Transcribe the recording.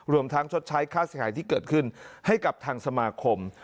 รวมทั้งชดใช้ค่าเสียหายที่เกิดขึ้นให้กับทางสมาคม